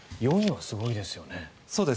４位はすごいですよね。